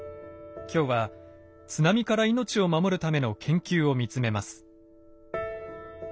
今日は津波から命を守るための研究を見つめます。